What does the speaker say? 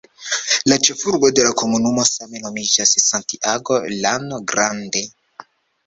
La ĉefurbo de la komunumo same nomiĝas "Santiago Llano Grande".